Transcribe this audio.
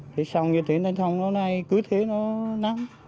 thế xong như thế xong như thế cứ thế nó nắm